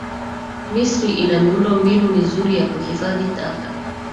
Misri ina miundo mbinu mizuri ya kuhifadhi taka